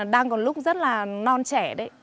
đang còn lúc rất là non trẻ đấy